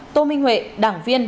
tô minh huệ đảng viên